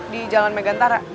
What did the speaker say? di jalan megantara